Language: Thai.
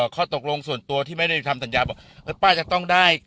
ข้อตกลงส่วนตัวที่ไม่ได้ทำสัญญาบอกป้าจะต้องได้